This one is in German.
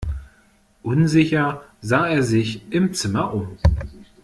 Unsicher sah er sich im Zimmer um.